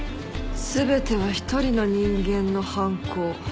全ては１人の人間の犯行。